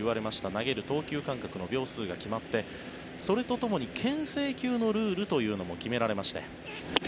投げる投球間隔の秒数が決まってそれとともにけん制球のルールというのも決められまして。